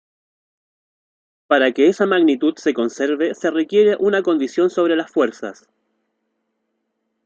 Para que esa magnitud se conserve se requiere una condición sobre las fuerzas.